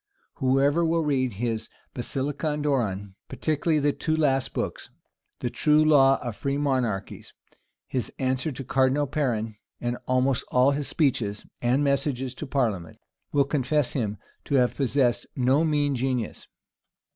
Whoever will read his Basilicon Doron, particularly the two last books, the true law of free monarchies, his answer to Cardinal Perron, and almost all his speeches and messages to parliament, will confess him to have possessed no mean genius.